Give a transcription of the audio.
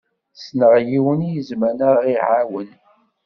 Ssneɣ yiwen i izemren ad ɣ-iɛawen.